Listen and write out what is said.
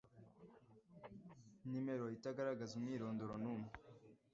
nimero itagaragaza umwirondoro numwe